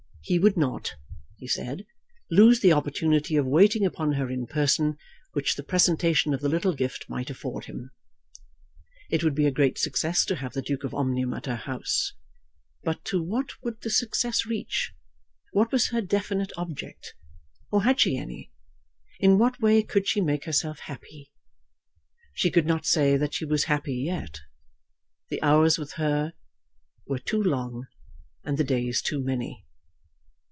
"He would not," he said, "lose the opportunity of waiting upon her in person which the presentation of the little gift might afford him." It would be a great success to have the Duke of Omnium at her house, but to what would the success reach? What was her definite object, or had she any? In what way could she make herself happy? She could not say that she was happy yet. The hours with her were too long and the days too many.